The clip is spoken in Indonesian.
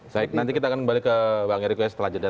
baik nanti kita akan kembali ke bang eriko ya setelah jeda